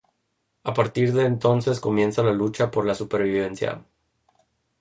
A partir de entonces comienza la lucha por la supervivencia.